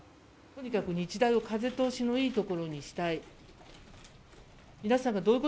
とにかく日大を風通しのいいところにしたい。